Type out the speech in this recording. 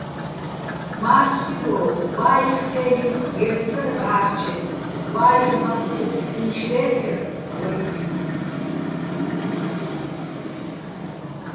მა́სთხუჲგო ვაიხ თე́ლ'ი́ვხ გერწ დარ ბჵა́რჩეჸ, ვაიხ ბაჴჴუ́ხ ბჵი́შ ლე́თერ ვაჲციჼ.